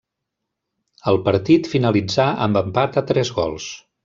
El partit finalitzà amb empat a tres gols.